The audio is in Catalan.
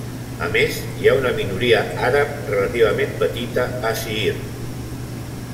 A més hi ha una minoria àrab relativament petita a Siirt.